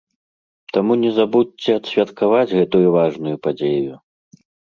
Таму не забудзьце адсвяткаваць гэтую важную падзею!